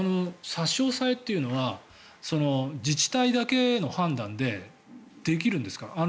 差し押さえというのは自治体だけの判断でできるんですか？